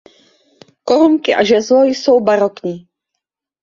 Korunky a žezlo jsou barokní.